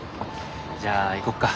じゃあ行こうか。